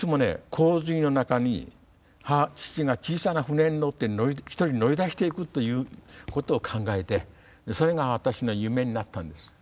洪水の中に父が小さな船に乗って一人乗り出していくということを考えてそれが私の夢になったんです。